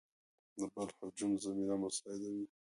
د بل هجوم زمینه مساعد وي.